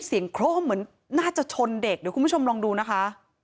โครมเหมือนน่าจะชนเด็กเดี๋ยวคุณผู้ชมลองดูนะคะ